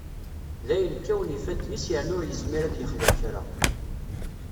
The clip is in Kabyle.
Dayen kkawen yifadden-is yerna ur yezmir ad yexdem kra.